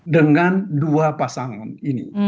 dengan dua pasangan ini